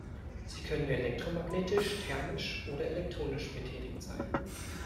Sie können elektromagnetisch, thermisch oder elektronisch betätigt sein.